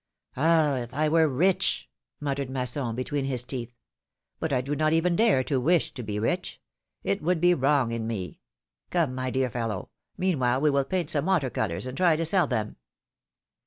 ^^Ah! if I were rich!" muttered Masson, between his teeth. But I do not even dare to wish to be rich ! It would be wrong in me! Come, my dear fellow, mean while we will paint some water colors, alid try to sell them